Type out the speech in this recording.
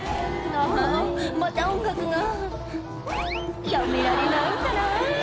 「あぁまた音楽が」「やめられないんだな」